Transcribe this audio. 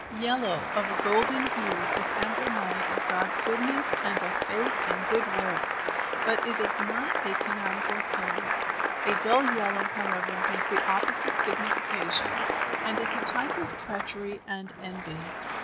YELLOW of a golden hue is emblematic of God's goodness and of faith and good works, but it is not a canonical color. A dull yellow, however, has the opposite signification, and is a type of treachery and envy.